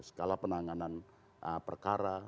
skala penanganan perkara